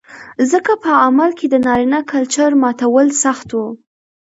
ځکه په عمل کې د نارينه کلچر ماتول سخت و